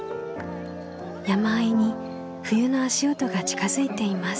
山あいに冬の足音が近づいています。